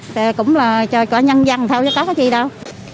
cũng là cho nhân dân thôi có gì đâu